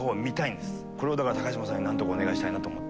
これをだから高嶋さんに何とかお願いしたいなと思って。